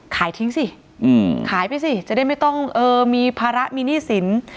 ขายทิ้งสิขายไปสิจะได้ไม่ต้องมีภาระมีหนี้สิน